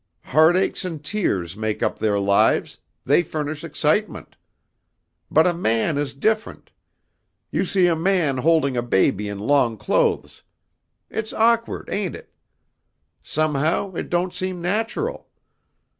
Heartaches and tears make up their lives, they furnish excitement. But a man is different. You see a man holding a baby in long clothes. It's awkward, ain't it? Somehow it don't seem natural.